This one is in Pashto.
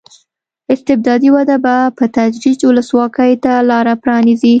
استبدادي وده به په تدریج ولسواکۍ ته لار پرانېزي.